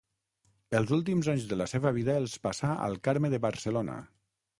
Els últims anys de la seva vida els passà al Carme de Barcelona.